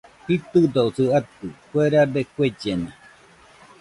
Jitɨdosi atɨ, kue rabe kuellena